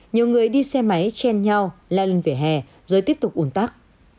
nhiều người đi xe máy chen nhau leo lên vỉa hè rồi tiếp tục ủn tắc